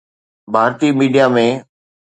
Bharti media ۾